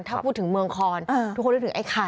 ถ้าพูดถึงเมืองคอนทุกคนนึกถึงไอ้ไข่